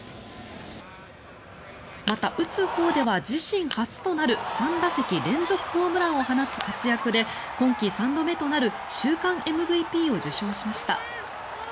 また、打つほうでは自身初となる３打席連続ホームランを放つ活躍で今季３度目となる週間ＭＶＰを受賞しました。